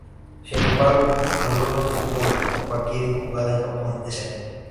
Sin embargo, logró el título de la Copa Kirin jugada en Japón ese año.